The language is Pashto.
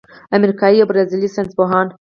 امریکايي او برازیلي ساینسپوهانو